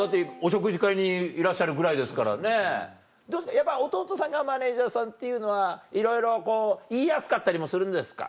やっぱ弟さんがマネージャーさんっていうのはいろいろ言いやすかったりもするんですか？